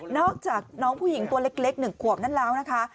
อกจากน้องผู้หญิงตัวเล็ก๑ขวบนั้นแล้วนะคะ